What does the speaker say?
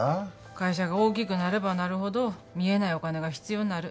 会社が大きくなればなるほど見えないお金が必要になる。